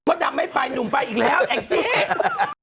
ดำไม่ไปหนุ่มไปอีกแล้วแองจี้